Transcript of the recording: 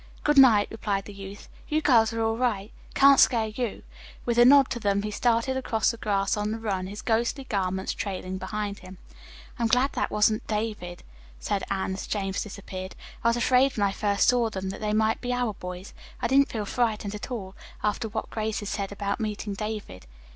"Good night," replied the youth. "You girls are all right. Can't scare you." With a nod to them he started across the grass on the run, his ghostly garments trailing behind him. "I'm glad that wasn't David," said Anne as James disappeared. "I was afraid when first I saw them that they might be our boys. I didn't feel frightened at all, after what Grace had said about meeting David."